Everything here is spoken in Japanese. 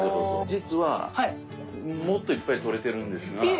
実はもっといっぱいとれてるんですが。